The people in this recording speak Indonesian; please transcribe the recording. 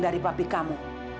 dari papi kamu